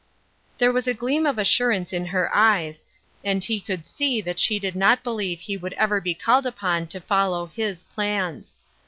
There was a gleam of assurance in her eyes, and he could see that she did not believe he would ever be called upon to follow Ms plans.